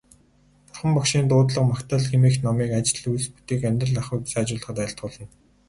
Бурхан Багшийн дуудлага магтаал хэмээх номыг ажил үйлс бүтээх, амьдрал ахуйг сайжруулахад айлтгуулна.